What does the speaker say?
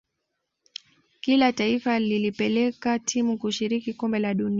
kila taifa lilipeleka timu kushiriki kombe la dunia